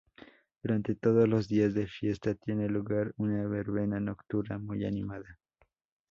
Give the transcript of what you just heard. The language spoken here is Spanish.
Durante todos los días de fiesta tiene lugar una verbena nocturna muy animada.